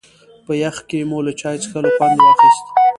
په يخ کې مو له چای څښلو خوند واخيست.